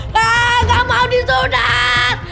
gak mau disunat